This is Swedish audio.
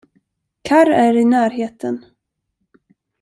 Karr är i närheten.